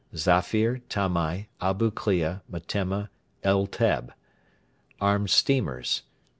Zafir, Tamai, Abu Klea, Metemma, El Teb Armed Steamers...